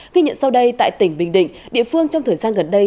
ghi nhận sau đây tại tỉnh bình định địa phương trong thời gian gần đây